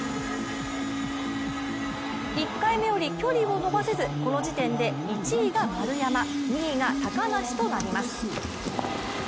１回目よりも距離を延ばせずこの時点で、１位が丸山、２位が高梨となります。